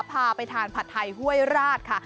พาไปทานผัดไทยห้วยราชค่ะ